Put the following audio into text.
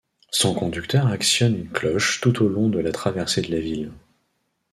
Son conducteur actionne une cloche tout au long de la traversée de la ville.